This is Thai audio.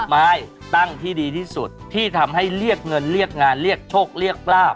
ไม่ตั้งที่ดีที่สุดที่ทำให้เรียกเงินเรียกงานเรียกโชคเรียกลาบ